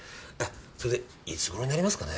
それでいつごろになりますかね？